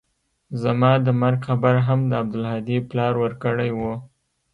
زما د مرګ خبر هم د عبدالهادي پلار ورکړى و.